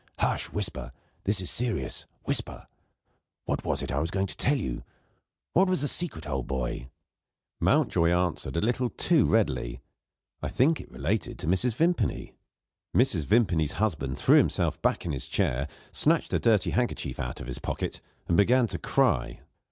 "Hush! Whisper this is serious whisper! What was it I was going to tell you? What was the secret, old boy?" Mountjoy answered a little too readily: "I think it related to Mrs. Vimpany." Mrs. Vimpany's husband threw himself back in his chair, snatched a dirty handkerchief out of his pocket, and began to cry.